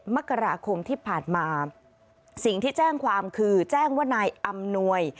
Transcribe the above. มกราคมที่ผ่านมาสิ่งที่แจ้งความคือแจ้งว่านายอำนวย